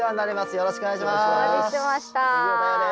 よろしくお願いします。